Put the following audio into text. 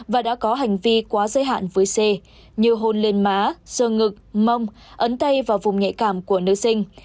và đã có hành vi quá giới hạn với c như hôn lên má sư ngực mông ấn tay vào vùng nhạy cảm của nữ sinh